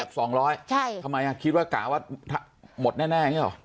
เอ็บสองร้อยใช่ทำไมอ่ะคิดว่ากะว่าถ้าหมดแน่แน่อย่างงี้เหรอ